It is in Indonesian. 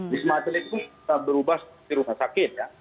wisma atlet pun berubah seperti rumah sakit